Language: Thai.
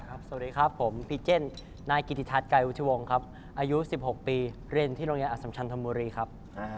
สวัสดีครับผมพีเจนนายกิติทัศน์ไกรวุชวงศ์ครับอายุ๑๖ปีเรียนที่โรงเรียนอสัมชันธมบุรีครับ